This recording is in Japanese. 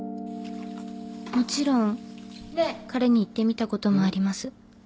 もちろん彼に言ってみたこともあります。